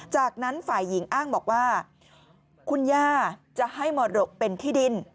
จากนั้นฝ่ายหญิงอ้างบอกว่าคุณย่าจะให้มรดกเป็นที่ดิน